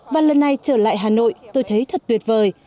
và lần này trở lại hà nội tôi thấy thật tuyệt vời